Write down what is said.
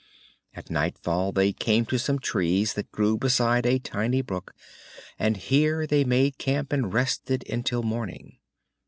At nightfall they came to some trees that grew beside a tiny brook and here they made camp and rested until morning.